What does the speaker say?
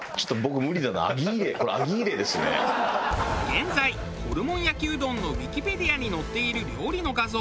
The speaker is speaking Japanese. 現在ホルモン焼きうどんのウィキペディアに載っている料理の画像